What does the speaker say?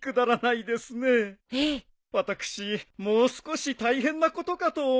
私もう少し大変なことかと思っていました